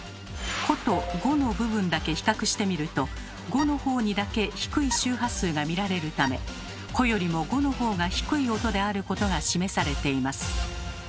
「コ」と「ゴ」の部分だけ比較してみると「ゴ」の方にだけ低い周波数が見られるため「コ」よりも「ゴ」の方が低い音であることが示されています。